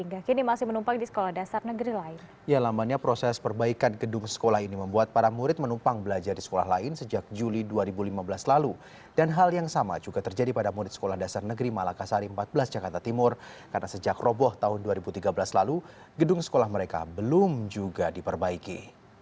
namun dua ribu tiga belas lalu gedung sekolah mereka belum juga diperbaiki